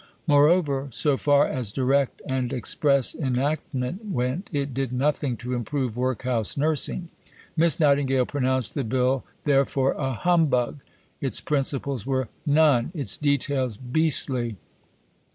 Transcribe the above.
Moreover, so far as direct and express enactment went, it did nothing to improve workhouse nursing. Miss Nightingale pronounced the Bill, therefore, "a humbug." Its principles were "none"; its details, "beastly."